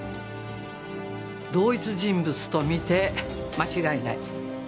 同一人物と見て間違いない。